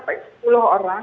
atau sepuluh orang